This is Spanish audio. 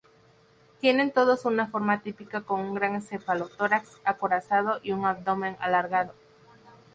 Tienen todos una forma típica, con un gran cefalotórax acorazado y un abdomen alargado.